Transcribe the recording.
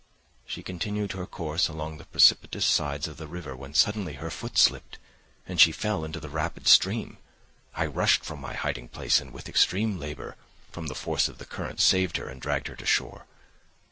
She continued her course along the precipitous sides of the river, when suddenly her foot slipped, and she fell into the rapid stream. I rushed from my hiding place and with extreme labour, from the force of the current, saved her and dragged her to shore.